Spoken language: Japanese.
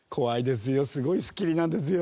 すごいスッキリなんですよ！